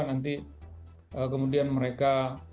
nanti kemudian mereka